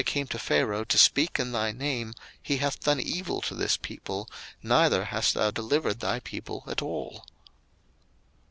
02:005:023 For since I came to Pharaoh to speak in thy name, he hath done evil to this people; neither hast thou delivered thy people at all.